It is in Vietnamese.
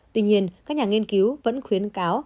tuy nhiên các nhà nghiên cứu vẫn khuyến cáo